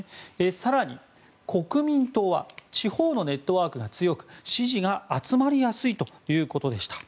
更に、国民党は地方のネットワークが強く支持が集まりやすいということでした。